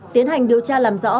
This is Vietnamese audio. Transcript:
tiến hành điều tra làm rõ